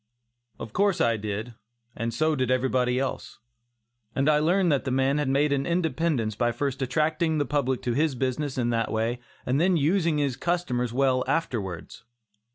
Of course I did, and so did everybody else, and I learned that the man had made an independence by first attracting the public to his business in that way and then using his customers well afterwards.